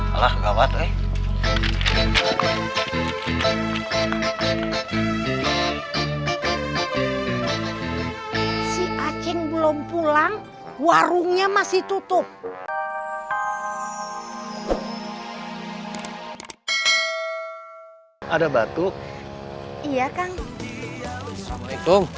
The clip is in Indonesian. allah gawat eh si aceh belum pulang warungnya masih tutup ada batuk iya kang assalamualaikum